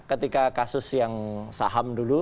ketika kasus yang saham dulu